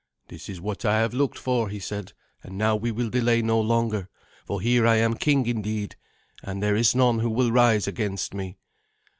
"This is what I have looked for," he said; "and now we will delay no longer, for here am I king indeed, and there is none who will rise against me.